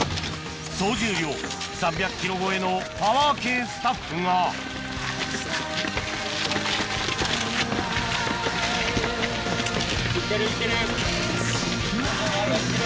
総重量３００ｋｇ超えのパワー系スタッフがいってるいってる！